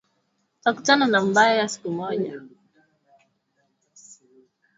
Kuingia kwa Kongo kutapanua biashara na ushirikiano wa kieneo